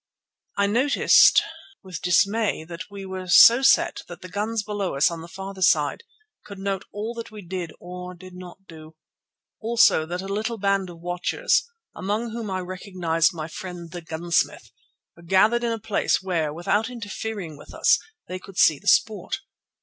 I noticed with dismay that we were so set that the guns below us on its farther side could note all that we did or did not do; also that a little band of watchers, among whom I recognized my friend the gunsmith, were gathered in a place where, without interfering with us, they could see the sport.